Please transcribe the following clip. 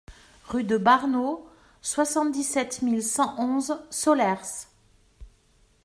Rue de Barneau, soixante-dix-sept mille cent onze Solers